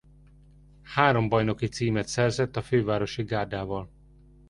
Három bajnoki címet szerzett a fővárosi gárdával.